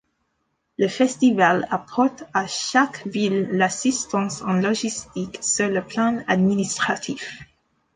Le festival apporte à chaque ville l'assistance en logistique sur le plan administratif.